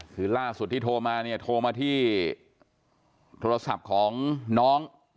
คือล่าสุดที่โทรมาเนี่ยโทรมาที่โทรศัพท์ของน้อง